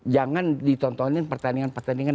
jangan ditontonin pertandingan pertandingan